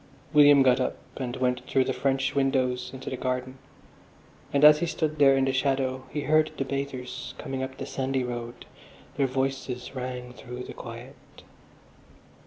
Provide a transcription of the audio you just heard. William got up and went through the French windows into the garden, and as he stood there in the shadow he heard the bathers coming up the sandy road; their voices rang through the quiet.